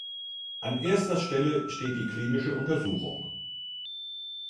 An erster Stelle steht die klinische Untersuchung.